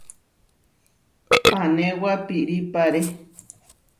Panéwapiʼrípare.